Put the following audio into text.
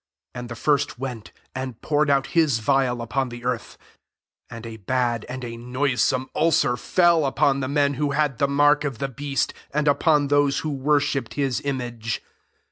2 And the first went, and poured out his phial upon the earth ; and a bad and a noisome ulcer fell upon the men who had the mark of the beast, and ufion those who worshipped his image.